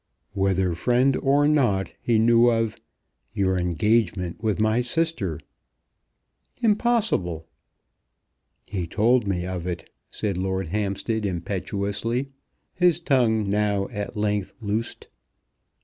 "Whether friend or not, he knew of your engagement with my sister." "Impossible!" "He told me of it," said Lord Hampstead impetuously, his tongue now at length loosed.